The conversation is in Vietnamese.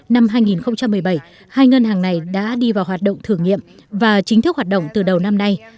năm hai nghìn một mươi bảy hai ngân hàng này đã đi vào hoạt động thử nghiệm và chính thức hoạt động từ đầu năm nay